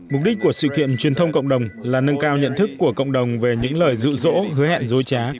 mục đích của sự kiện truyền thông cộng đồng là nâng cao nhận thức của cộng đồng về những lời dụ dỗ hứa hẹn dối trá